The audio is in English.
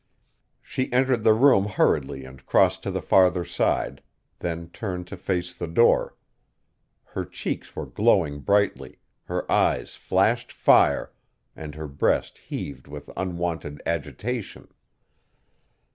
She entered the room hurriedly and crossed to the farther side, then turned to face the door. Her cheeks were glowing brightly, her eyes flashed fire, and her breast heaved with unwonted agitation.